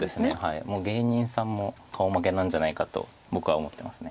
もう芸人さんも顔負けなんじゃないかと僕は思ってます。